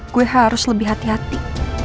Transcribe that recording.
gue harus lebih hati hati